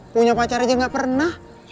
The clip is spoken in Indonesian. punya pacar aja gak pernah